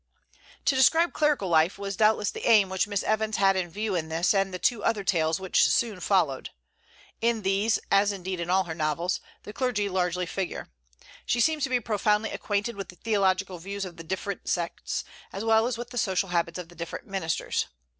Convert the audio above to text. '" To describe clerical life was doubtless the aim which Miss Evans had in view in this and the two other tales which soon followed. In these, as indeed in all her novels, the clergy largely figure. She seems to be profoundly acquainted with the theological views of the different sects, as well as with the social habits of the different ministers.